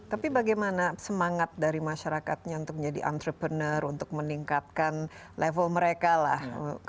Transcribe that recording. tapi bagaimana semangat dari masyarakatnya untuk menjadi entrepreneur untuk meningkatkan level mereka lah